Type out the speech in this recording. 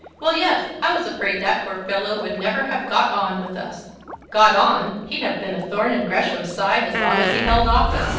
"Well, yes; I was afraid that the poor fellow would never have got on with us." "Got on! He'd have been a thorn in Gresham's side as long as he held office.